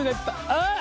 あっ。